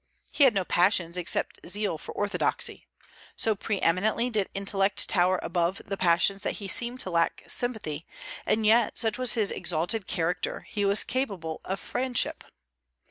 He had no passions except zeal for orthodoxy. So pre eminently did intellect tower above the passions that he seemed to lack sympathy; and yet, such was his exalted character, he was capable of friendship.